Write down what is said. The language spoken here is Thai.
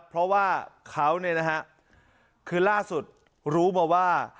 เพราะว่าเขาเนี่ยนะฮะคือล่าสุดรู้มาว่า